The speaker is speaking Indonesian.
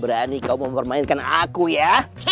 berani kau mempermainkan aku ya